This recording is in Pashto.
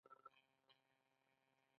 هغه هغې ته په درناوي د خوب کیسه هم وکړه.